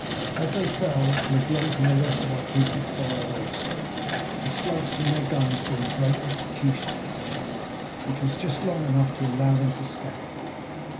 As they fell, Leblanc and the rest of our people fired also, the slugs from their guns doing great execution at that range, which was just long enough to allow them to scatter.